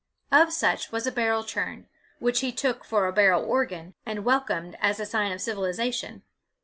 Of such was a barrel churn, which he took for a barrel organ, and welcomed as a sign of civilization.